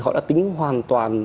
họ đã tính hoàn toàn